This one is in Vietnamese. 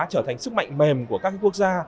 trở thành sức mạnh mềm của các quốc gia